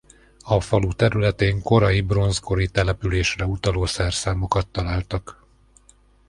A falu területén korai bronzkori településre utaló szerszámokat találtak.